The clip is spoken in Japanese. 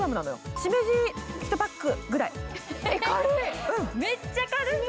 しめじ１パックぐらい、軽い。